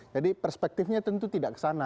jadi perspektifnya tentu tidak ke sana